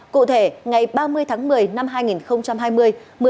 cụ thể ngày ba mươi tháng một mươi năm hai nghìn hai mươi